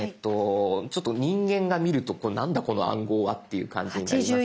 ちょっと人間が見ると何だこの暗号はって感じですけど。